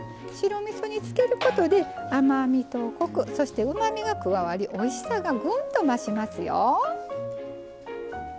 白みそに漬けることで甘みとコクそしてうまみが加わりおいしさがグンと増しますよ。